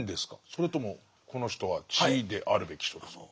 それともこの人は地であるべき人ですか？